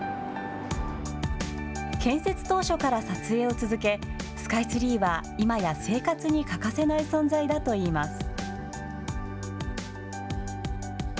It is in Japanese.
建設当初から撮影を続けスカイツリーは今や生活に欠かせない存在だといいます。